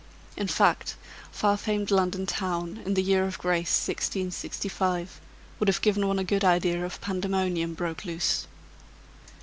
In fact, far famed London town, in the year of grace 1665, would have given one a good idea of Pandemonium broke loose.